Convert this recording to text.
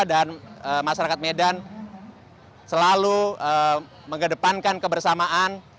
dan masyarakat medan selalu menggedepankan kebersamaan